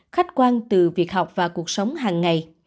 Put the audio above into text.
khách quan từ việc học và cuộc sống hàng ngày